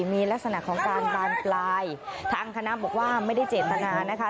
มีลักษณะของการบานปลายทางคณะบอกว่าไม่ได้เจตนานะคะ